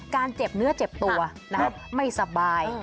เจ็บเนื้อเจ็บตัวไม่สบาย